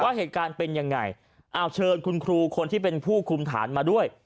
เหตุการณ์เป็นยังไงเอาเชิญคุณครูคนที่เป็นผู้คุมฐานมาด้วย